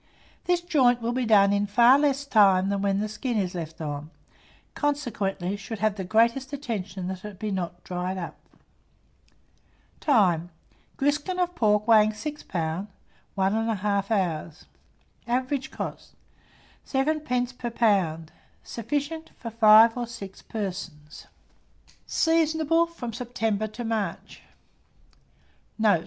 This joint will be done in far less time than when the skin is left on, consequently, should have the greatest attention that it be not dried up. Time. Griskin of pork weighing 6 lbs., 1 1/2 hour. Average cost, 7d. per lb. Sufficient for 5 or 6 persons. Seasonable from September to March. Note.